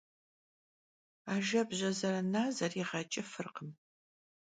Ajjebje zerına zeriğeç'ıfırkhım.